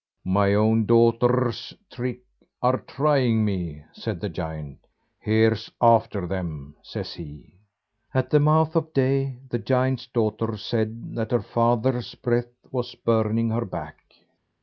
"My own daughter's tricks are trying me," said the giant. "Here's after them," says he. At the mouth of day, the giant's daughter said that her father's breath was burning her back.